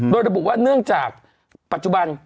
โดยระบุว่าเนื่องจากปัจจุบัน